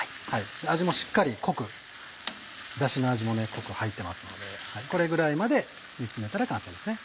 味もしっかり濃くダシの味も濃く入ってますのでこれぐらいまで煮詰めたら完成ですね。